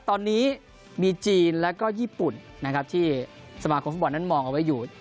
ตอนนี้มีจีนและก็ญี่ปุ่นที่สมาคมสมบัตินั้นมองเอาไว้อยู่